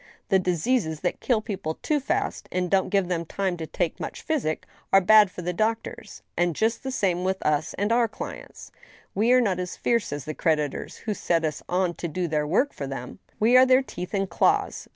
The diseases that kill people too fast, and don't give them time to take much physic, are bad for the doctors — ^and just the same with us and our clients. We are not as fierce as the creditors who set us on to do their work for them. We are their teeth and claws.